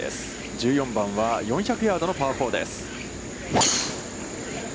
１４番は４００ヤードのパー４です。